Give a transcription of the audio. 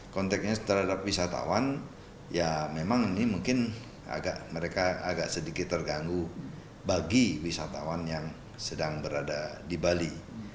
konteknya terhadap wisatawan ya memang ini mungkin mereka agak sedikit terganggu bagi wisatawan yang sedang berada di bali